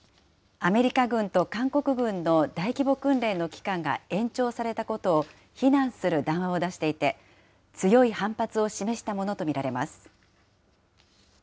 アメリカ軍と韓国軍の大規模訓練の期間が延長されたことを非難する談話を出していて、強い反発を示したものと見られます。